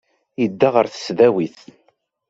Yedda ɣer tesdawit.